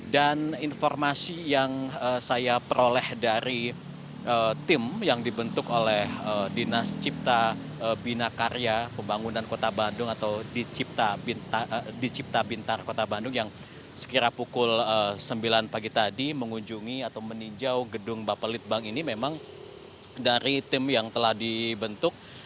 dan informasi yang saya peroleh dari tim yang dibentuk oleh dinas cipta bina karya pembangunan kota bandung atau dicipta bintar kota bandung yang sekira pukul sembilan pagi tadi mengunjungi atau meninjau gedung bapelitbang ini memang dari tim yang telah dibentuk